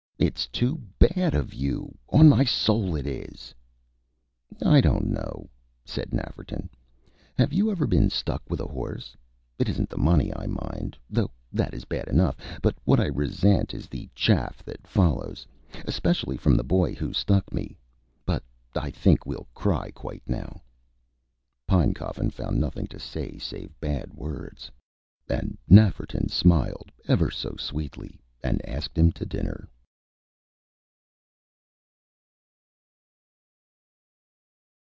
It's too bad of you, on my soul it is!" "I don't know," said Nafferton; "have you ever been stuck with a horse? It isn't the money I mind, though that is bad enough; but what I resent is the chaff that follows, especially from the boy who stuck me. But I think we'll cry quite now." Pinecoffin found nothing to say save bad words; and Nafferton smiled ever so sweetly, and asked him to dinner.